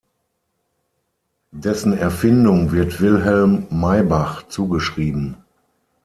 Dessen Erfindung wird Wilhelm Maybach zugeschrieben.